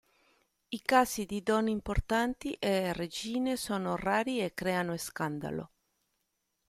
I casi di donne importanti e regine sono rari e creano scandalo.